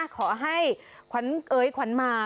ขอให้เอ๊ยขวัญมา